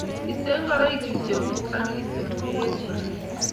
Iste ngoroik chu chekuk ak iiste mapuket kora